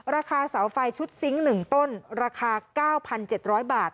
ราคาเสาไฟชุดซิงค์๑ต้นราคา๙๗๐๐บาท